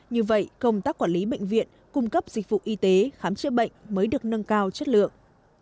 như vậy công tác quản lý bệnh viện cung cấp dịch vụ y tế khám chữa bệnh mới được nâng cao chất lượng